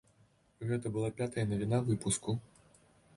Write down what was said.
Гэта была пятая навіна выпуску.